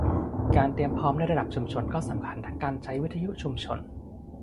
การเตรียมพร้อมในระดับชุมชนก็สำคัญทั้งการใช้วิทยุชุมชน